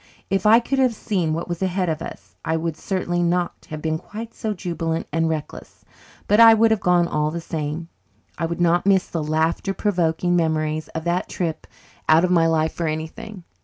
If I could have seen what was ahead of us I would certainly not have been quite so jubilant and reckless, but I would have gone all the same. I would not miss the laughter provoking memories of that trip out of my life for anything.